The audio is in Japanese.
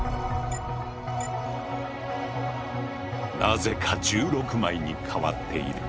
なぜか１６枚に変わっている。